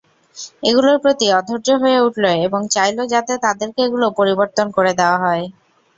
এগুলোর প্রতি অধৈর্য হয়ে উঠল এবং চাইল যাতে তাদেরকে এগুলো পরিবর্তন করে দেয়া হয়।